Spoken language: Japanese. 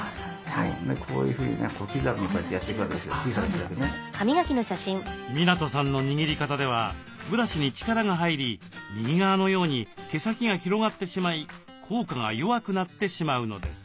できればこうやって港さんの握り方ではブラシに力が入り右側のように毛先が広がってしまい効果が弱くなってしまうのです。